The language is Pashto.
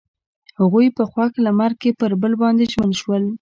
هغوی په خوښ لمر کې پر بل باندې ژمن شول.